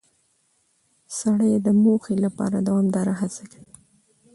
سړی د موخې لپاره دوامداره هڅه کوي